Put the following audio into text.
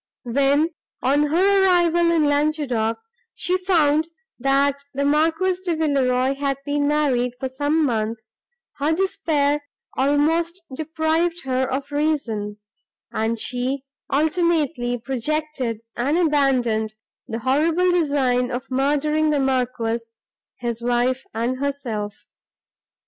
When, on her arrival in Languedoc, she found, that the Marquis de Villeroi had been married, for some months, her despair almost deprived her of reason, and she alternately projected and abandoned the horrible design of murdering the Marquis, his wife and herself.